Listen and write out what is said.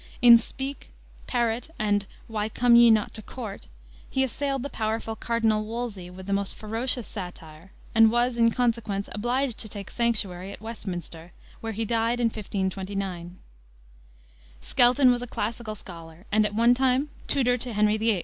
In Speke, Parrot, and Why Come ye not to Courte? he assailed the powerful Cardinal Wolsey with the most ferocious satire, and was, in consequence, obliged to take sanctuary at Westminster, where he died in 1529. Skelton was a classical scholar, and at one time tutor to Henry VIII.